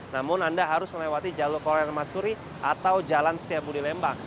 namun anda harus melewati jalur kuala lama suri atau jalan setiapudi lembang